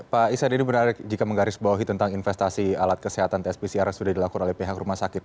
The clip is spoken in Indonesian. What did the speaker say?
pak isan ini benar benar jika menggarisbawahi tentang investasi alat kesehatan tsp crs sudah dilakukan oleh pihak rumah sakit